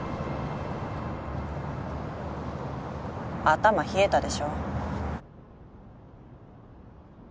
頭冷えたでしょ？